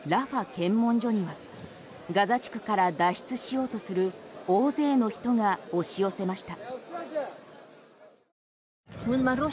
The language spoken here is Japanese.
検問所にはガザ地区から脱出しようとする大勢の人が押し寄せました。